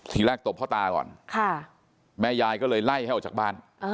ทีแรกตบพ่อตาก่อนแม่ยายก็เลยไล่ให้ออกจากบ้าน